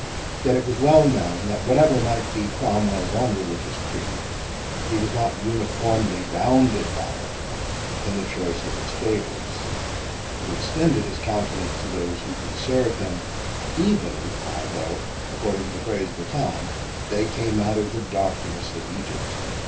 Yet it was well known that whatever might be Cromwell's own religious creed, he was not uniformly bounded by it in the choice of his favourites, but extended his countenance to those who could serve him, even, although, according to the phrase of the time, they came out of the darkness of Egypt.